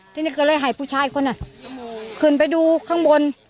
ทีนี้ก็เลยหายผู้ชายของน่ะคืนไปดูข้างบน